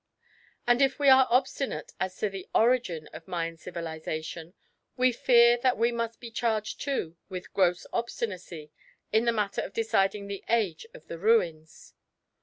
And if we are obstinate as to the origin of Mayan civilisation, we fear we must be charged, too, with gross obstinacy in the matter of deciding the age of the ruins.